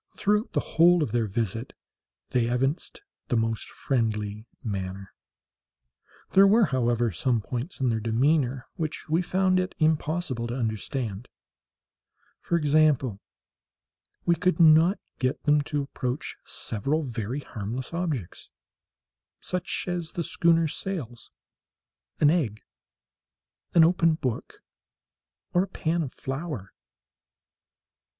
Throughout the whole of their visit they evinced the most friendly manner. There were, however, some points in their demeanour which we found it impossible to understand; for example, we could not get them to approach several very harmless objects—such as the schooner's sails, an egg, an open book, or a pan of flour.